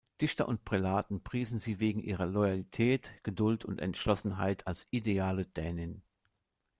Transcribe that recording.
Dichter und Prälaten priesen sie wegen ihrer Loyalität, Geduld und Entschlossenheit als ideale Dänin.